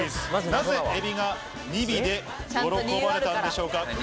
なぜエビが二尾で喜ばれたんでしょうか。